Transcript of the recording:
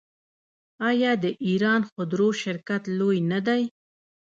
آیا د ایران خودرو شرکت لوی نه دی؟